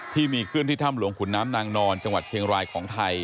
ที่มีขึ้นที่ถ้ำหลวงขุนน้ำนางนอนจังหวัดเชียงรายของไทย